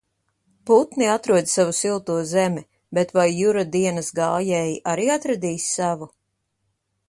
Putni atrod savu silto zemi, bet vai Jura dienas gājēji arī atradīs savu?